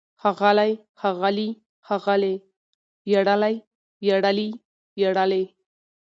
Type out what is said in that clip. ښاغلی، ښاغلي، ښاغلې! وياړلی، وياړلي، وياړلې!